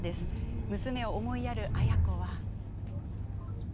娘を思いやる亜哉子は。